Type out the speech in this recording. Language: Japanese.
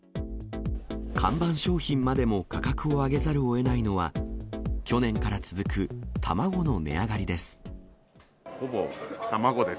看板商品までも価格を上げざるをえないのは、去年から続く卵の値上がりです。